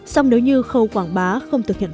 xong nếu như khâu quảng bá không thực hiện